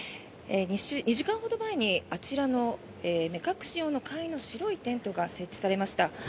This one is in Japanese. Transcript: ２時間ほど前に、あちらの目隠し用の簡易の白いテントが設置されました。